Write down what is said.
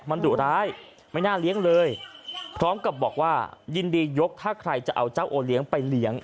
มันดุร้ายไม่น่าเลี้ยงเลยพร้อมกับบอกว่ายินดียกถ้าใครจะเอาเจ้าโอเลี้ยงไปเลี้ยง